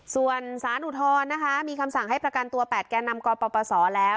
ส่วนสารอุทธรณ์นะคะมีคำสั่งให้ประกันตัว๘แก่นำกปศแล้ว